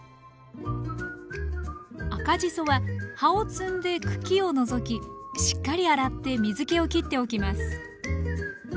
赤じそは葉を摘んで茎を除きしっかり洗って水けをきっておきます